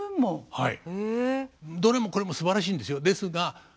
はい。